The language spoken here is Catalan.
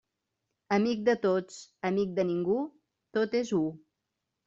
Amic de tots, amic de ningú, tot és u.